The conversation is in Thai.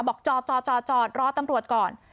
บอกจอดจอดจอดจอดรอตำรวจก่อน